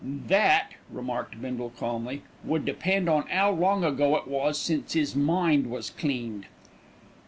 "That," remarked Bindle calmly, "would depend on 'ow long ago it was since 'is mind was cleaned."